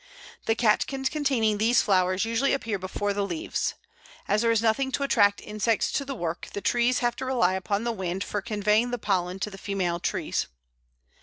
The catkins containing these flowers usually appear before the leaves. As there is nothing to attract insects to the work, the trees have to rely upon the wind for conveying the pollen to the female trees.